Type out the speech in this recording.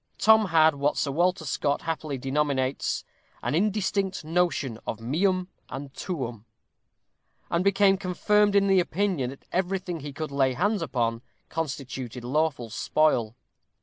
Tom had what Sir Walter Scott happily denominates "an indistinct notion of meum and tuum," and became confirmed in the opinion that everything he could lay hands upon constituted lawful spoil.